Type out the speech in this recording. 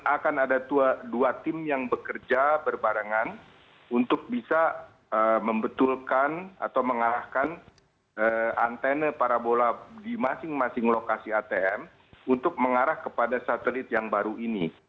akan ada dua tim yang bekerja berbarengan untuk bisa membetulkan atau mengarahkan antene parabola di masing masing lokasi atm untuk mengarah kepada satelit yang baru ini